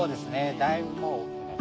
だいぶもう。